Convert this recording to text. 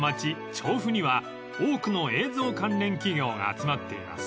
調布には多くの映像関連企業が集まっています］